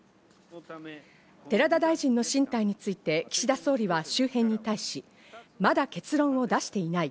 寺田大臣の進退について岸田総理は周辺に対し、まだ結論を出していない。